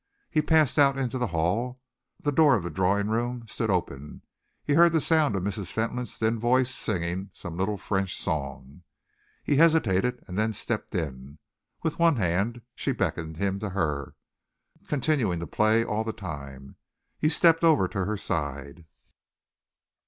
He passed out into the hall. The door of the drawing room stood open, and he heard the sound of Mrs. Fentolin's thin voice singing some little French song. He hesitated and then stepped in. With one hand she beckoned him to her, continuing to play all the time. He stepped over to her side.